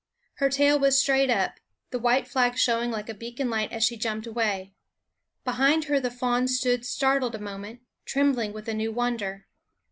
Her tail was straight up, the white flag showing like a beacon light as she jumped away. Behind her the fawns stood startled a moment, trembling with a new wonder.